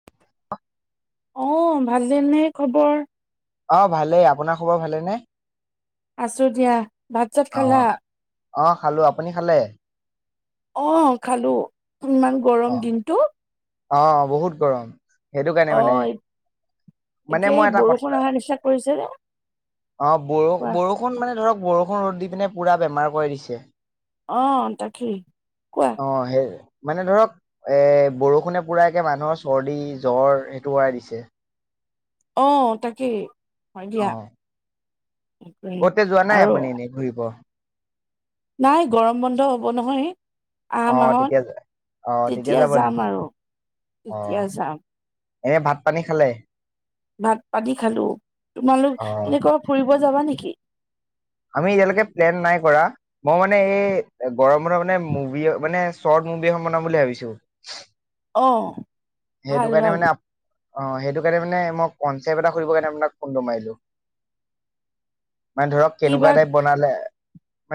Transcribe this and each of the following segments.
[inaudible] অ ভালেনে খবৰ? অ ভালেই, আপোনাৰ খবৰ ভালে নে? আছো দিয়া। ভাত-চাত অ খালা? অ খালো। আপুনি খালে? অ খালো, ইমান অ গৰম দিনটো। অ বহুত গৰম সেইটো কাৰণে অ মানে। মানে এতিয়া এই মই এটা বৰষুণ কথা অহাৰ নিচিনা কৰিছে যে অহ বৰো বৰষ কোৱা বৰষুণ মানে ধৰক বৰষুণ ৰ'দ দি পিনে পুৰা বেমাৰ কৰি দিছে। অ তাকেই কোৱা। অ সেই মানে ধৰক এ বৰষুণে পুৰা একে মানুহৰ চৰ্দি, জ্বৰ সেইটো কৰাই দিছে। অ তাকেই হয় অ দিয়া কতে যোৱা আৰু [inaudible] নাই গৰম বন্ধ হ'ব নহয়। আহা অ মাহত, তেতিয়া অ তেতিয়া যাব যাম নেকি আৰু অ তেতিয়া যাম। এনে ভাত পানী খালে? ভাত পানী খালো। তোমালোক অ এনে কবাত ফুৰিব যাবা নেকি? আমি এতিয়ালৈকে প্লেন নাই কৰা, মই মানে এই গৰম বন্ধত মানে মুভি মানে চৰ্ট মুভি এখন বনাম বুলি ভাবিছোঁ। অহ। সেইটো কাৰণে মানে অ সেইটো কাৰণে মানে মই কনচেপ্ট এটা সুধিবৰ কাৰণে আপোনাক ফোনটো মাৰিলো। [unintelligible] মানে ধৰক কিবা কেনেকুৱা টাইপ বনালে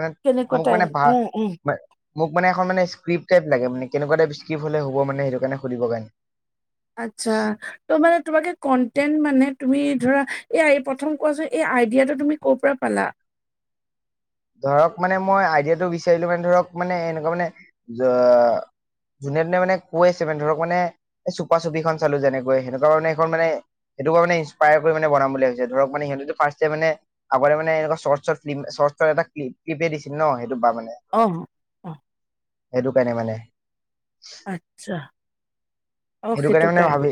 মানে কেনেকুৱা মোক টাইম মানে উম উম ভাল মোক মানে এখন মানে স্কিৰিপটাইপ লাগে মানে, কেনেকুৱা টাইপ স্কিৰিপটাইপ হ'লে হবমানে সেইটো কাৰণে সুধিব কাৰনে। আচ্ছা তো মানে তোমাকে কণ্টেন মানে তুমি ধৰা, এই প্ৰথম কোৱাচোন এই আইডিয়াটো তুমি ক'ৰ পৰা পালা? ধৰক মানে মই আইডিয়াটো বিচাৰিলো মানে ধৰক মানে এনেকুৱা মানে যো যোনে যোনে মানে কৈ আছে মানে ধৰক মানে এই চোপা চুপীখন চালো যেনেকৈ সেনেকুৱা ধৰনে এইখন মানে সেইটো কাৰণে মানে ইস্পায়াৰ হৈ মানে বনাম বুলি ভাবিছো, ধৰক মানে সিহঁতেতো ফাৰ্ষ্ট মানে আগতে মানে এনেকুৱা short short clip short short এটা ক্লিপে দিছিল ন সেইটো পা মানে। অহ। সেইটো কাৰণে মানে। আচ্ছা। অ', সেইটো কাৰনে কাৰণে। ভাবি,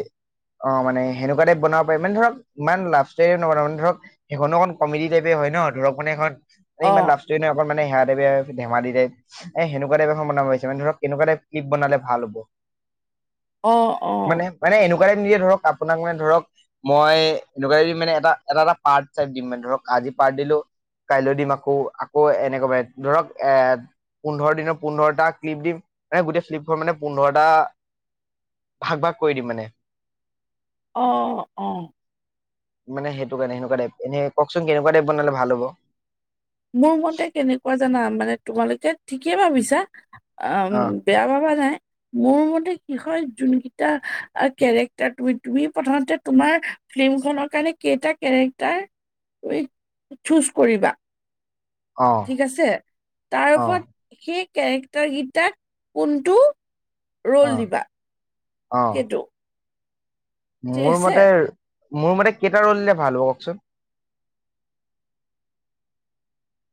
অ মানে সেনেকুৱা টাইপ বনাব পাৰি মানে ধৰক ইমান লাভষ্টৰী নবনাও মানে ধৰক সেইখন অকণ কমেডি টাইপে হয় ন দৰক মানে এখন ইমান অ', লাভষ্ট [unintelligible] অকন সেয়া টাইপে ধেমালি টাইপ এ সেনেকুৱা টাইপ এখন বনাবো মানে ধৰক কেনেকুৱা টাইপ ক্লিলিপ বনালে ভাল হ'ব? অঁহ। মানে মানে এনেকুৱা টাইপ নিজে ধৰক আপোনাক মানে ধৰক মই এনেকুৱা দিম মানে এটা এটা এটা পাৰ্ট টাইপ দিম মানে ধৰক আজি পাৰ্ট দিলো কাইলৈ দিম আকৌ আকৌ এনেকুৱা মানে ধৰক এ পোন্ধৰ দিনৰ পোন্ধৰটা ক্লিপ দিম, মানে গোটেই ক্লিপখনৰ মানে পোন্ধৰটা ভাগ ভাগ কৰি দিম মানে। অ' - অ'। মান সেইটো কাৰণে, এনেকুৱা টাইপ। এনে কওঁকচোন কেনেকুৱা টাইপ বনালে ভাল হব? মোৰ মতে কেনেকুৱা জানা, মানে তোমালোকে ঠিকেই ভাবিছা, আম বেয়া ভাবা নাই। মোৰ মতে কি হয়, যোনকেইটা অ'- কেৰেক্টাৰ তুমি- তুমি প্ৰথমতে তোমাৰ ফ্লিমখনৰ কাৰণে কেইটা কেৰেক্টাৰ তুমি চুজ কৰিবা। অ ঠিক আছে? তাৰ অ ওপৰত সেই কেৰেক্টাৰ গিটাক কোনটো অ ৰোল দিবা। অ টো। মোৰ মতে- মোৰ মতে কেইটা ৰোল দিলে ভাল হ'ব কওঁকচোন।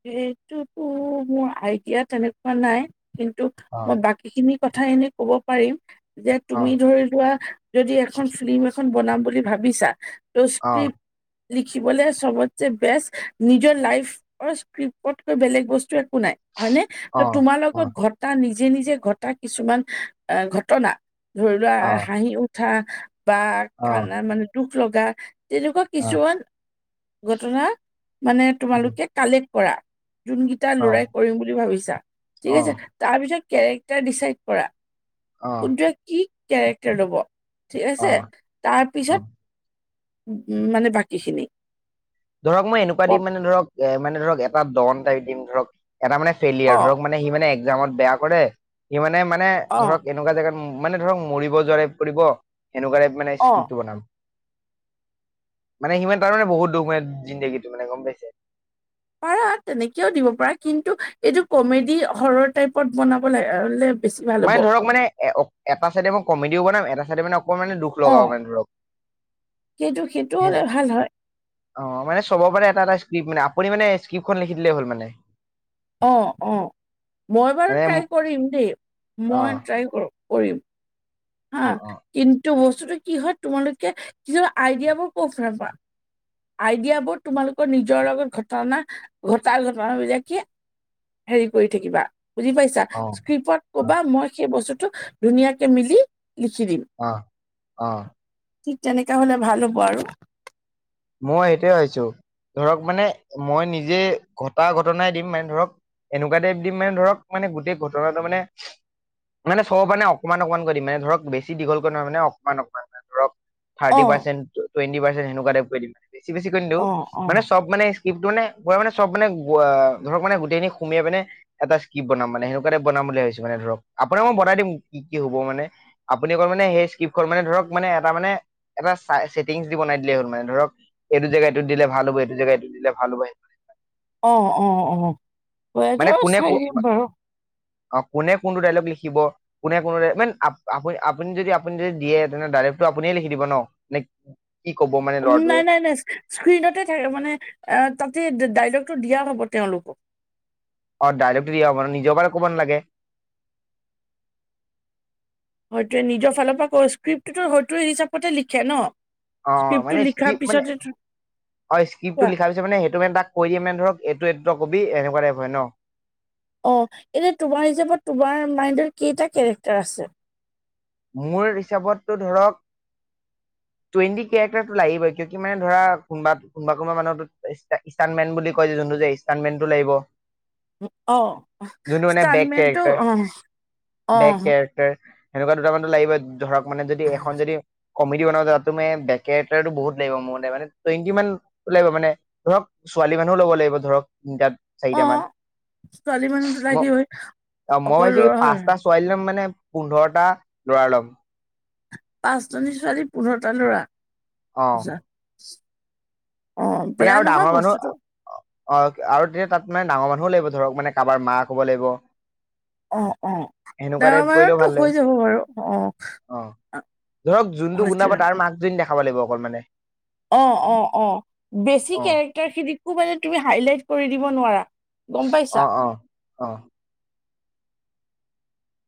সেইটোতো মোৰ আইডিয়া তেনেকুৱা নাই, কিন্তু অ মই বা কীখিনি কথা এনে কব পাৰিম, যে অ তুমি ধৰি লোৱা যদি এখন ফ্লিম এখন বনাম বুলি ভাবিছা, তো অ স্ক্ৰিপ্ট লিখিবলে সবতকে বেষ্ট নিজৰ লাইফ ক্ৰিপতকে বেলেগ বস্তু একো নাই, হয় নে? তো অ তোমাৰ অ অ লগত ঘ টা নিজে - নিজে ঘটা কিছুমান অ'- ঘটনা, ধৰি লোৱা অ হাঁহি উ থা বা অ কান্দা- মানে দুখ লগা তেনেকুৱা কিছুমান ঘটনা মানে তোমালোকে কালেক্ট কৰা, যোনকেইটা ল'ৰাই কৰিম বুলি ভাবিছা, ঠিক অ অ আছে? তাৰপিছত কেৰেক্টাৰ ডিচাইড কৰা। অ কোনটোৱে কি কেৰেক্টাৰ ল'ব? ঠিক আছে? অ', তাৰ অ', পিছত উ- মানে বাকীখিনি। ধৰক, মই এনেকুৱা দিম পত- মানে ধৰক, এ মানে ধৰক, এটা ডন টাইপ দিম ধৰক, এটা মানে অ ফেলিয়াৰ, ধৰক মানে মানে সি মানে একজামত বেয়া কৰে। সি মানে- মানে অ ধৰক সেনেকুৱা জেগাত- মানে ধৰক, মৰিব যোৱা টাইপ কৰিব। সেনেকুৱা টাইপ মানে অ স্কিপটো বনাম। মানে সি মানে- তাৰ মানে বহুত দুখ মানে জিন্দেগীটো মানে, গম পাইছে? পাৰা, তেনেকেওঁ দিব পাৰা। কিন্তু এইটো কমেডি-হৰৰ টাইপত বনাবলে হ'লে বেছি ভাল হ'ব মানে ধৰক মানে, এ- এটা চাইডে মই কমেডিও বনাম, এটা চাইডে মানে অকণ মানে দুখ অ'। লগাও মানে ধৰক সেইটো- সেইটোও হে হ'লে ভাল হয়। অ' মানে চবৰ পৰা এটা - এটা স্ক্ৰিপ মানে। আপুনি মানে স্কিপখন লিখি‌ দিলেই হ'ল মানে। অ' - অ', মই বাৰু মানে ট্ৰাই কৰিম দেই। অ', মই ট্ৰাই কৰোঁ- কৰিম হা, অ', অ', কিন্তু বস্তুটো কি হয়, তোমালোকে কিছুমান আইডিয়াবোৰ ক [unintelligible] আইডিয়াবোৰ তোমালোকৰ নিজৰ লগত ঘটনা- ঘটা ঘটনাবিলাকে হেৰি কৰি থাকিবা, বুজি পাই ছা? অ', স্ক্ৰিপত অ', কবা, মই সেই বস্তুটো ধুনীয়াকে মিলি লিখি দিম। অ' - অ'। ঠিক তেনেকা হ'লে ভাল হ'ব আৰু। মই সেইটোৱে ভাবিছোঁ। ধৰক মানে, মই নিজে ঘটা ঘটনাই দিম মানে ধৰক এনেকুৱা টাইপ দিম মানে ধৰক মানে গোটেই ঘটনাটো মানে মানে চবৰ কাৰণে অকমান - অকমানকৈ দিম মানে ধৰক, বেছি দীঘলকৈ নহয় মানে, অকণমান - অকণমানকৈ ধৰক থাৰ্টি অ পাৰ্চেণ্ট, টুৱেণ্টি পাৰ্চেণ্ট, সেনেকুৱাকে টাইপ কৰি দিম। মানে বেছি - বেছি কৈ নিদিওঁ, অ', মানে অ', চব মানে স্ক্ৰিপটো মানে মই মানে চব মানে অ'- ধৰক মানে গোটেইখিনি সোমেই পিনে এটা স্কিপ বনাম মানে, সেনেকুৱা টাইপ বনাম বুলি ভাবিছোঁ মানে ধৰক। আপোনাক মই বনাই দিম কি - কি হব মানে আপুনি অকল মানে সেই স্ক্ৰিপখন মানে ধৰক, মানে এটা মানে- এটা ছাই- ছেটিংছ দি বনাই দিলে হ'ল মানে ধৰক এইটো জেগাত এইটোত দিলে ভাল হ'ব, এইটো জেগাত এইটো দিলে ভাল হব, সে অ' - অ' - অ'। ম‌ই মানে এইটোও চাই কোনে দিম বাৰু। অ কোনে কোনটো ডাইলগ লিখিব কোনে কোৱৰে মান আপু আপুনি যদি আপুনি যদি দিয়ে তেনে ডাইৰেক্টটো আপুনীয়ে লিখি দিব ন। নেক কি ক'ব মানে উম ল'ৰাটোৱে নাই নাই নাই স্ক্ৰীণতে থাকে মানে এ তাতে ডাইলগটো দিয়া হ'ব তেওঁলোকক। অ ডাইলেকটো দিয়া হ'ব মানে নিজৰ বাৰে ক'ব নালাগে? হয়তোৱে নিজৰ ফালৰ পৰা স্কিৰিপটো হয়তো হিচাপতে লিখে ন। অ স্কাপ্টটো মানে লিখাৰ স্ক্ৰিপ্ট মানে পিছত [unintelligible] অ স্কিপ্টটো লিখাৰ পিছত মানে সেইটো মানে তাক কৈ দিয়ে মানে ধৰক এইটো এইট কবি এনেকুৱা টাইপ হয় ন? অ এতিয়া তোমাৰ হিচাপত তোমাৰ মাইণ্ডৰ কেইটা কেৰেক্টাৰ আছে। মোৰ হিচাপতটো ধৰক টুৱেণ্টি কেৰেক্টাৰটো লাগিবই কিয় কি মানে ধৰা কোনবাত কোনবা কোনবা মানুহক [unintelligible] ইষ্টানমেট বুলি কয় যে যোনটো যে ইষ্টানমেনটো লাগিব। অহ যোনটো মানে বেক স্তানমেনটো কেৰেক্টাৰ অ, বেক অহ। কেৰেক্টাৰ সেনেকুৱা দুটামানটো লাগিবই ধৰক মানে যদি এখন যদি কমেডি বনাব যাও তাতো মানে বেকেটাটুৰ বহুত লাগে মোৰ মানে টুৱেনটি মান লাগিব মানে ধৰক ছোৱালী মানুহও ল'ব লাগিব ধৰক গাত অহ ছোৱালী মানুহ টু ম লাগিবই অ মই অকল ভাবিছো কি লৰা হ'ল পাঁচটা ছোৱালী ল'ম মানে পোন্ধৰটা লৰা ল'ম। পাঁচজনী ছোৱালী পোন্ধৰটা লৰা। অ [unintelligible] অ', মানে বেয়া আৰু নহয় ডাঙৰ মানুহ বস্তুটো অ অ আৰু তেতিয়া তাত মানে ডাঙৰ মানুহো লাগিব ধৰক মানে কাৰোবাৰ মাক হব লাগিব। অ অ সেনেকুৱা টাইপ ডাঙৰ কৰিলেও মানহতো ভাল লাগিব হৈ যাব বাৰু, অ। ধৰক যোনটো গুণ্ডা সেইটোৱে হ'ব তাৰ মাকজনী দেখাব লাগিব অকল মানে। অ অহ অহ বেছি অ কেৰেক্টাৰ খিনিকো মানে তুমি হাইলাইট কৰি দিব নোৱাৰা। গম পাইছা অ অ অ।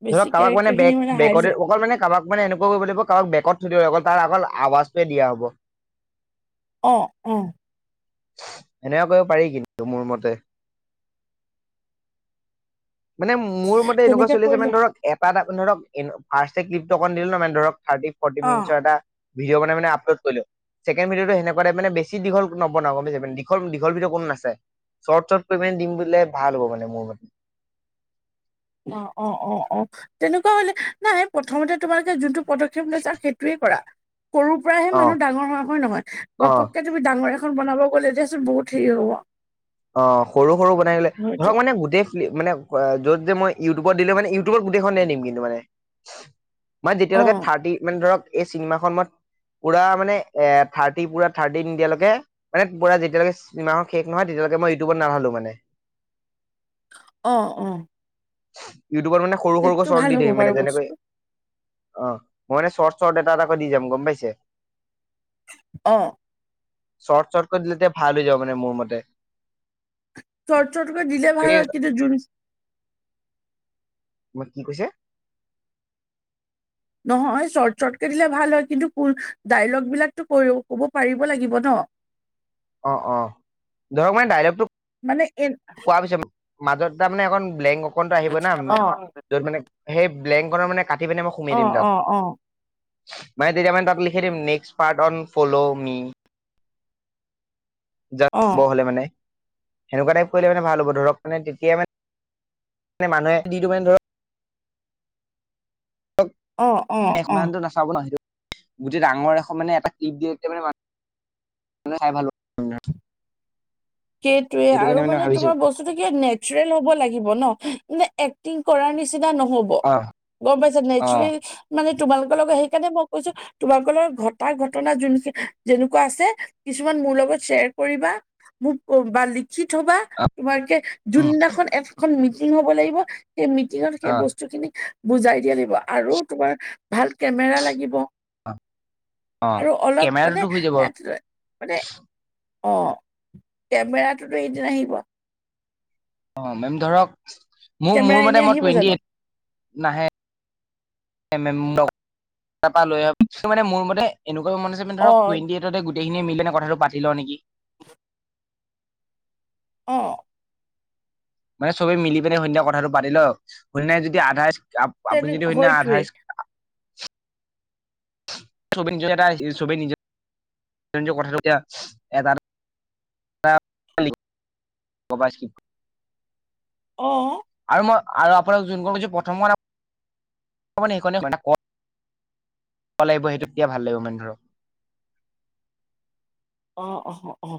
বেছি ধৰক কাবাক মানে কেৰেক্টাৰ খিনি বেক বেকটে হাইলাইট অকল মানে কাবাক মানে এনেকুৱা কৰিব লাগিব কাবাক বেকত থৈ দিব লাগিব তাৰ অকল আৱাজটো দিয়া হ'ব। অ অহ। এনেকুৱা কৰিব পাৰি কিন্তু মোৰ মতে। মানে মোৰ মতে এনেকুৱা তেনেকে চলি আছে কৰিলে মানে ধৰক এট টাত আপুনি ধৰক এন ফাষ্টে ক্লিলিপটো অকমান দিলো ন মানে ধৰক থাৰ্টি ফৰ্টি অ মিনিটচৰ এটা ভিডিও' বানাই মানে আপলোড কৰিলো। ছেকেণ্ড ভিদিওটো সেনেকুৱা টাইপ মানে বেছি দীঘল নবনাও গম পাইছে দীঘল দীঘল ভিদিও কোনো নাছাই। শৰ্ট চট কৈ পিনে দিম বুলিলে ভাল হ'ব মানে মোৰ মতে। অ অ অ অ। তেনেকুৱা হলে নাই প্ৰথমতে তোমালোকে যোনটো পদক্ষেপ লৈছা সেইটোয়ে কৰা, সৰু সৰুৰ পৰাহে অ মানুহ ডাঙৰ হয় নহয় অ ঘপককে তুমি ডাঙৰ এখন বনাব গ'লে তেতিয়াচোন বহুত হেৰি হ'ব। অ সৰু সৰু বনাই ল'লে হয়টো ধৰক মানে গোটেইখিনি মানে য'ত যে মই ইউটিউবত দিলে মানে ইউটিউবত গোটেইখনে দিম কিন্তু মানে অ যেতিয়ালৈকে থাৰ্টি মানে ধৰক এই চিনেমাখন মই পুৰা মানে এ থাৰ্টি পুৰা থাৰ্টি নিদিয়ালৈকে মানে পুৰা যেতিয়ালৈকে মাহৰ শেষ নহয় তেতিয়ালৈকে‌ ইউটিবত নাধালো মানে। অ অ। ইউটিউবত মানে সৰু সেইটো সৰুকৈ চৰ্ট ভাল দি হ'ব থাকিম বাৰু মানে যেনেকৈ বস্তুটো অহ। মই মনে শ্বৰ্ট শ্বৰ্ট এটা এটাকৈ দি যাম গম পাইছে? অ। শ্বৰ্ট শ্বৰ্ট কৈ দিলে তে ভাল হৈ যাব মানে মোৰ মতে। শ্বৰ্ট শ্বৰ্টকৈ দিলে ভাল হয়, কিন্তু জোন তোমাক কি কৈছে? নহয় শৰ্ট শ্বৰ্টকে দিলে ভাল হয়, কিন্তু পু ডাইলগ বিলাকটো কব পাৰিব লাগিব ন। অ অ। ধৰক মানে ডাইলগটো মানে এই [unintelligible] পিছে মাজত তাৰ মানে এখন ব্লেংক অকন আহিব না অ যত মানে সেই ব্লেংকখনৰ মানে কাটি পিনে মই অ সোমিয়াই দিম তাত। অ অ মানে তেতিয়া মানে তাত লিখি দিম নেক্সপাৰ্ট অন ফ'ল' মি। যাব অ হলে মানে। সেনেকুৱা টাইপ কৰিলে মানে ভাল হ'ব, ধৰক মানে তেতিয়া মানে মানুহে যিটো মানে ধৰক, অ অ। অ সিমানটো নাচাব ন সেই, গোটেই ডাঙৰ এখন মানে এটা ক্লিপ দিয়া মানে চাই ভাল [unintelligible] সেইটোয়ে। সেইটো কাৰণে আৰু মানে ভাবিছো তোমাৰ বস্তু স্তটো কি নেচৰেল হব লাগিব ন, নে এক্টিং কৰাৰ নিচিনা নহ বা। অ গম পাইছ নাই অ নেচৰেল মানে তোমালোকৰ লগত সেইকাৰণে মই কৈছোঁ তোমাকৰ লগত ঘটা ঘটনা যোন যেনেকুৱা আছে, কিছুমান মোৰ লগত শ্বেয়াৰ কৰিবা। মোক বা লিখি থবা, অ তোমাৰ কে উম যোনদিনাখন এখন মিটিং হব লাগিব সেই মিটিঙত সেই অ বস্তু খিনিক বুজাই দিয়া লাগিব। আৰু তোমাৰ ভাল কেমেৰা লাগিব। অ অ আৰু অলপ মানে কেমেৰাটোতো হৈ যাব অ মানে অ। কেমেৰাটোতো এদিন আহিব। অ মেম ধৰক, মোৰ কেমেৰা মোৰ এনে মতে মই আহিব টুৱেণ্টি জানো এইট নাহে। [unintelligible] লৈ আহ মানে মোৰ মতে এনেকুৱা মানে মানে অ ধৰক, টুৱেণ্ট এইটতে গোটেইখিনি মিলি কথাটো পাতি লওঁ নেকি? হয় [unintelligible] অ। মানে চবে মিলি পিনে সন্ধ্যা কথাটো পাতি ল‌ওঁক। সন্ধ্যা যদি আধাই আপুনি তেনে যদি সন্ধ্যা আধা হয়তোৱে চবে নিজৰ এটা ই চবে নিজে কথাটো এটা [unintelligible] কবছ [unintelligible] অঁ। আৰু মই আৰু আপোনাক যোনখন কৈছোঁ প্ৰথম সেইখনেই [unintelligible] লাগিব সেইটো তেতিয়া ভাল লাগিব মানে ধৰক। অ অ অ।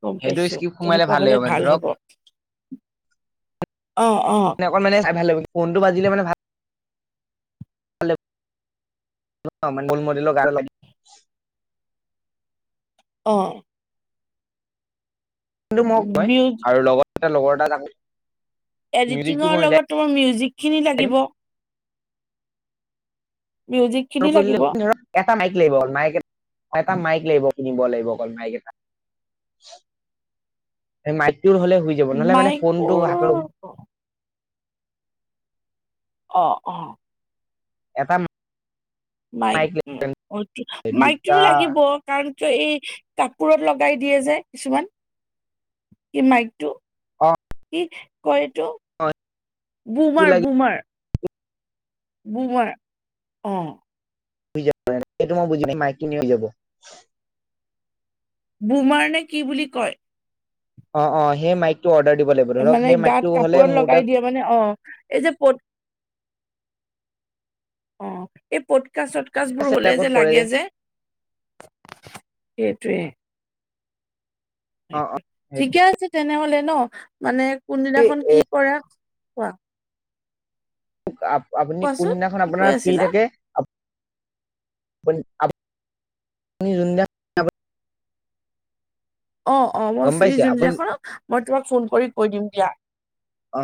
গম সেইটো পাইছোঁ স্কিপ সোমালে তেনেকুৱা হলে লাগিব মানে ভাল ধৰক হ'ব। অ অ। অকল মানে চাই ভাল লাগিব, ফোনটো বাজিলে মানে ভাল ানেল মডিলৰ গ ল [unintelligible] অ। কিন্তু মোক কয়, মিউ আৰু লগত লগৰ এটা তাকো এডিটিঙৰ লগত তোমাৰ মিউজিক খিনি উলিয়াই লাগিব। মিউজিক। খিনি কৰি ললে লাগিব ধৰক [unintelligible] এটা মাইক লাগিব অল মাইক এ এটা মাইক লাগিব কিনিব লাগিব অকল মাইক এটা। এ মাইকটোৰ হ'লে শুই যাব নহলে মানে ফোনটো হাতৰ মাইকবোৰ অ অহ। এটা মাইক উম অ টো দুটা মাইকটোতো লাগিব। কাৰণ কিয় এই কাপোৰত লগাই দিয়ে যে কিছুমান, সেই মাইকটো। অ' কি কয় এইটো? সেইটো বোমাৰ - লাগি বোমাৰ। বোমাৰ, অঁ। [unintelligible] সেইটো মই বুজি নাই মাইকটো [unintelligible] যাব। বোমাৰ নে কি বুলি কয়? অ অ সেই মাইকটো অৰ্ডাৰ দিব লা মানে গাত কাপোৰত লগাই দিয়ে মানে অ, এই যে প অ, এই পডকাষ্ট - চটকাষ্টবোৰ হলে চেলাকত যে কৰে লাগে যে সেইটোৱে। অ অ সেইটো ঠিকে আছে তেনেহলে ন মানে কোনদিনাখন কি কৰা? কোৱা আপ আপুনি কোৱাচোন কোনদিনাখন কি কৈ আপোনাৰ ফ্ৰী আছিলা থাকে? [unintelligible] অ অ মই গম ফ্ৰী পাইছে আপুনি যোনদিনাখন, মই তোমাক ফোন কৰি কৈ দিম দিয়া। অ।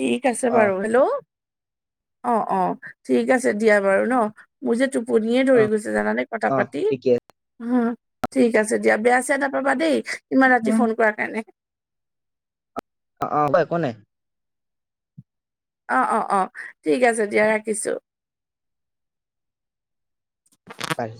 ঠিক আছে অ বাৰু হেল্ল? অ অ ঠিক আছে দিয়া বাৰু ন। মোৰ যে টোপনিয়ে অ ধৰি গৈছে জানানে অ কথা পাতি? ঠিকে আছে উম, ঠিক আছে দিয়া বেয়া - চেয়া নাপাবা দেই, ইমান ৰাতি ফোন কৰাৰ কাৰণে। অ অ [unintelligible] অ অ অ, ঠিক আছে দিয়া ৰাখিছোঁ। পাইছ